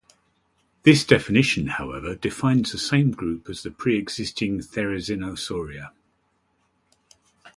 This definition, however, defines the same group as the pre-existing Therizinosauria.